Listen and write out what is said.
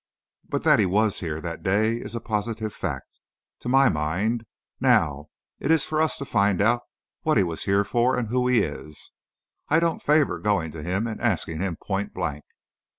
But that he was here that day is a positive fact, to my mind. Now, it's for us to find out what he was here for, and who he is. I don't favor going to him and asking him pointblank.